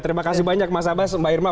terima kasih banyak mas abbas mbak irma